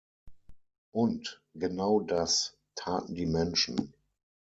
Und genau das taten die Menschen.